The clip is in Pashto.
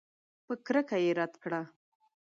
په کرکه یې رد کړه.